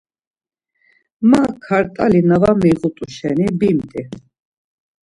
Ma kart̆ali na var miğut̆u şeni bimt̆i.